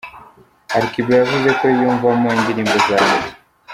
Ali Kiba yavuze ko yiyumvamo indirimbo za Meddy